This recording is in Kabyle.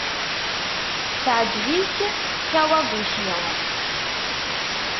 Teɛjeb-ik Kawaguchi.